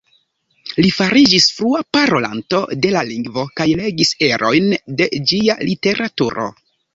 Li fariĝis flua parolanto de la lingvo kaj legis erojn de ĝia literaturo.